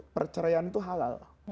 perceraian itu halal